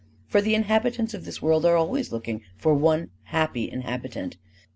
For the inhabitants of this world are always looking for one happy inhabitant.